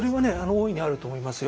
大いにあると思いますよ。